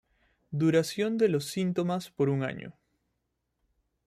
Duración de los síntomas por un año.